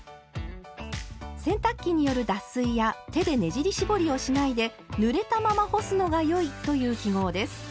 洗濯機による脱水や手でねじり絞りをしないで「ぬれたまま干すのがよい」という記号です。